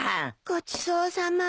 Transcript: ごちそうさま。